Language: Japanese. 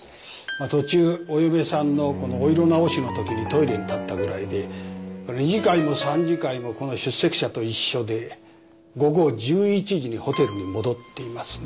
まっ途中お嫁さんのこのお色直しのときにトイレに立ったぐらいで二次会も三次会もこの出席者と一緒で午後１１時にホテルに戻っていますね。